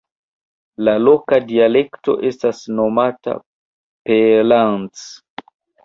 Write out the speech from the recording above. La loka dialekto estas nomata Peellands.